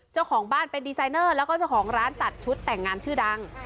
เจ้าของบ้านเป็นดีไซเนอร์แล้วก็เจ้าของร้านตัดชุดแต่งงานชื่อดัง